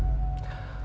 tapi takdir berkata lain